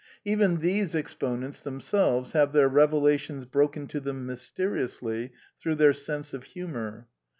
Even these exponents themselves have their revelations broken to them mysteriously through their sense of humor.